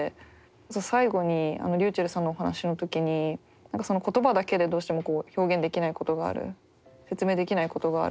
最後にｒｙｕｃｈｅｌｌさんのお話の時に言葉だけでどうしても表現できないことがある説明できないことがある。